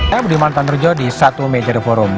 saya budi mantan rujo di satu meja the forum